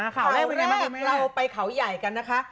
ข่าวแรกวันนี้เราไปเขาใหญ่กันนะคะ